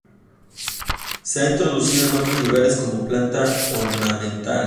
Se ha introducido en otros lugares como planta ornamental.